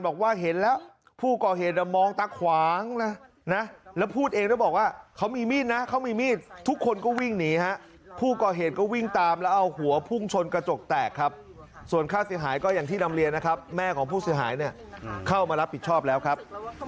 ค้าขายกาแฟอยู่ตรงนั้นส่วนแม่ค้าขายกาแฟอยู่ตรงนั้นส่วนแม่ค้าขายกาแฟอยู่ตรงนั้นส่วนแม่ค้าขายกาแฟอยู่ตรงนั้นส่วนแม่ค้าขายกาแฟอยู่ตรงนั้นส่วนแม่ค้าขายกาแฟอยู่ตรงนั้นส่วนแม่ค้าขายกาแฟอยู่ตรงนั้นส่วนแม่ค้าขายกาแฟอยู่ตรงนั้นส่วนแม่ค้าขายกาแฟอยู่ต